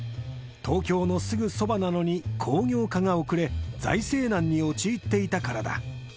東京のすぐそばなのに工業化が遅れ財政難に陥っていたからだ